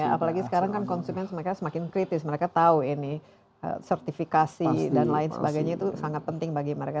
apalagi sekarang kan konsumen semakin kritis mereka tahu ini sertifikasi dan lain sebagainya itu sangat penting bagi mereka